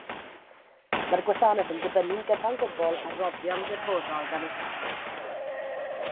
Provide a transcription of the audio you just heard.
Mae'r gwasanaeth yn dibynnu'n gyfan gwbl ar roddion gwirfoddol gan y cyhoedd.